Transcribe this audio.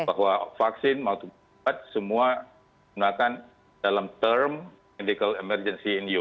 bahwa vaksin mautubat semua menggunakan dalam term medical emergency in use